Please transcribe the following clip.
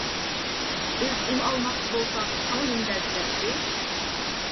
بىز ئۇنى ئالماقچى بولساق ساڭا نېمە دەز كەتتى؟